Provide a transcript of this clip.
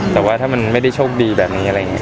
แต่ว่าถ้ามันไม่ได้โชคดีแบบนี้อะไรอย่างนี้